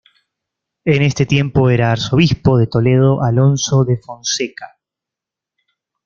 En este tiempo era Arzobispo de Toledo Alonso de Fonseca.